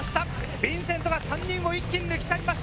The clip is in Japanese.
ヴィンセントが３人を一気に抜き去りました。